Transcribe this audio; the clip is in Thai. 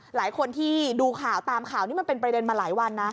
หลายคนที่ดูข่าวตามข่าวนี้มันเป็นประเด็นมาหลายวันนะ